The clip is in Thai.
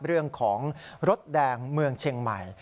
เรื่องของรถแดงเมืองเชียงใหม่